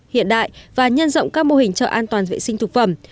hiện đại và nhân rộng các mô hình chợ an toàn vệ sinh thực phẩm